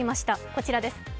こちらです。